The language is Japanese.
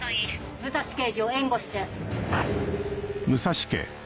武蔵刑事を援護して。